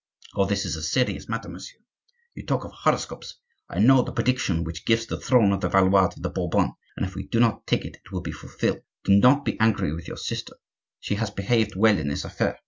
All this is a serious matter, monsieur. You talk of horoscopes! I know of the prediction which gives the throne of the Valois to the Bourbons, and if we do not take care it will be fulfilled. Do not be angry with your sister; she has behaved well in this affair.